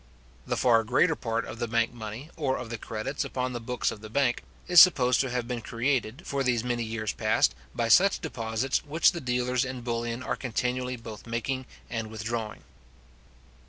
The far greater part of the bank money, or of the credits upon the books of the bank, is supposed to have been created, for these many years past, by such deposits, which the dealers in bullion are continually both making and withdrawing.